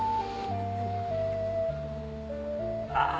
あ。